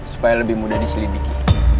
supaya lebih mudah diselidiki